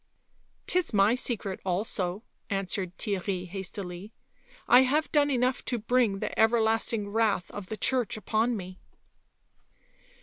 .." 'Tis my secret also," answered Theirry hastily. " I have done enough to bring the everlasting wrath of the Church upon me."